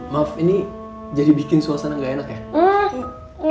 maaf ini jadi bikin suasana gak enak ya